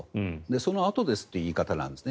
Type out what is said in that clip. そのあとですという言い方なんです。